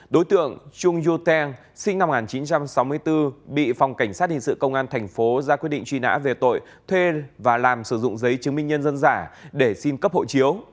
đối tượng trung yo teng sinh năm một nghìn chín trăm sáu mươi bốn bị phòng cảnh sát hình sự công an thành phố ra quyết định truy nã về tội thuê và làm sử dụng giấy chứng minh nhân dân giả để xin cấp hộ chiếu